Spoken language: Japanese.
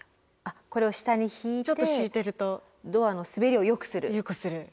これを下に敷いてドアの滑りをよくする。